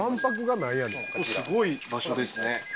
ここすごい場所ですね。